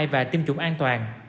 và tiêm chủng an toàn